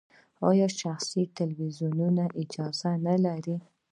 آیا شخصي تلویزیونونه اجازه نلري؟